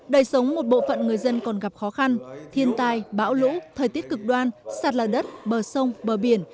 đầy sống một bộ phận người dân còn gặp khó khăn thiên tài bão lũ thời tiết cực đoan sạt lờ đất bờ sông bờ biển